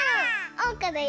おうかだよ！